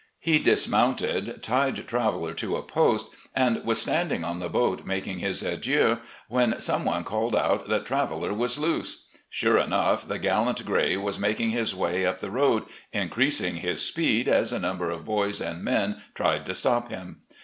He dismounted, tied Traveller to a post, and was standing on the boat making his adieux, when some one called out that Traveller was loose. Sure enough, the gallant gray was making his way up the road, increasing his speed as a number of boys and men tried to stop him.